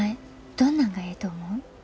どんなんがええと思う？